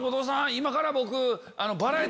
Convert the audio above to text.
今から僕」。